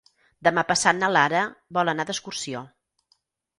Demà passat na Lara vol anar d'excursió.